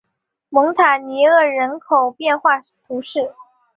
蒙塔尼厄人口变化图示